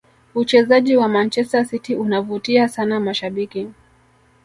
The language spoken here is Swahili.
uchezaji wa manchester city unavutia sana mashabiki